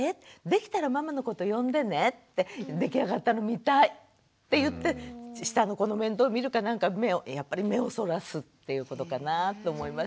できたらママのことよんでね」って「出来上がったの見たい」って言って下の子の面倒見るかなんかやっぱり目をそらすっていうことかなぁと思いましたけどね。